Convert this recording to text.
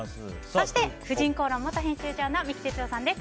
そして、「婦人公論」元編集長の三木哲男さんです。